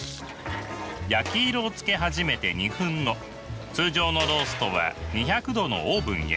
焼き色をつけ始めて２分後通常のローストは２００℃のオーブンへ。